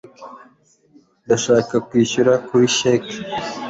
ndashaka kwishyura kuri cheque